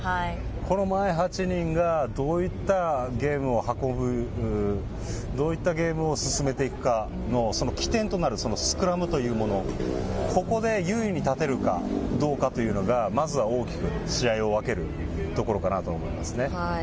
この前８人が、どういったゲームを運ぶ、どういったゲームを進めていくかのその起点となるスクラムというもの、ここで優位に立てるかどうかというのが、まずは大きく試合を分けるところかなとは思いますね。